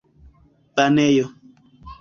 banejo